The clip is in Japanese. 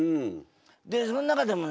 でその中でもね